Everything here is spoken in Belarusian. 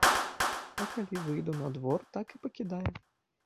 А калі выйду на двор, так і пакідае.